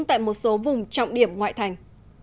tại một số vùng trọng điểm ngoại thành